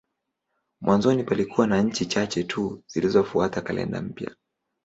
Mwanzoni palikuwa na nchi chache tu zilizofuata kalenda mpya.